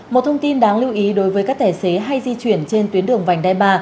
một thông tin đáng lưu ý đối với các tài xế hay di chuyển trên tuyến đường vành đai ba